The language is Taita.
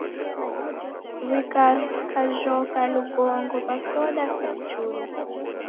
W'ikakajhoka lugongo w'a soda sa kichula.